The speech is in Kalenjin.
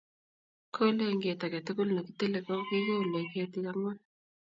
kole eng' ket age tugul ne kitile ko kikole ketik ang'wan